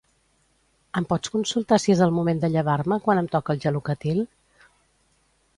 Em pots consultar si és al moment de llevar-me quan em toca el Gelocatil?